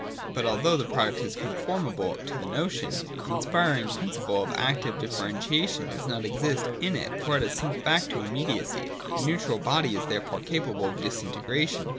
But although the product is conformable to the notion, the inspiring principle of active differentiation does not exist in it ; for it has sunk back to immediacy. The neutral body is therefore capable of disintegration.